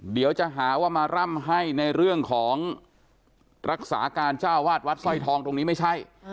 เดี๋ยวจะหาว่ามาร่ำให้ในเรื่องของรักษาการเจ้าวาดวัดสร้อยทองตรงนี้ไม่ใช่